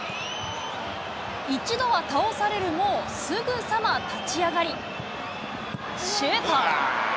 一度は倒されるも、すぐさま立ち上がり、シュート。